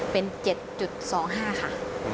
เป็น๗๒๕ค่ะ